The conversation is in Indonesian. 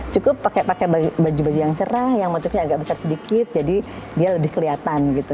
cukup pakai baju baju yang cerah yang motifnya agak besar sedikit jadi dia lebih kelihatan gitu